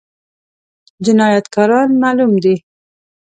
جنايتکاران معلوم دي؟